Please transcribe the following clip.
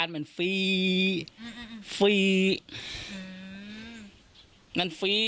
มันฟรีฟรีฟรี